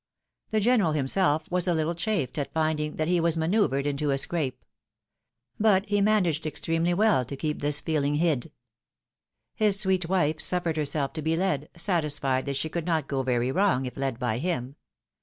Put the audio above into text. The general himself was a little chafedat finding that he was manoeuvred into a scrape. But he managed extremely well to keep this feehng hid. His sweet wife suffered herself to be led, satisfied that she could not go very wrong if led by him.